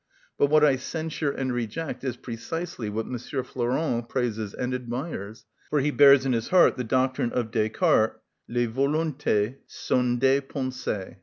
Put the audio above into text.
But what I censure and reject is precisely what M. Flourens praises and admires, for he bears in his heart the doctrine of Descartes: "_Les volontés sont des pensées.